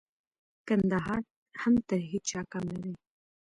کندهار هم تر هيچا کم نه دئ.